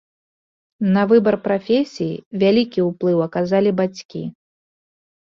На выбар прафесіі вялікі ўплыў аказалі бацькі.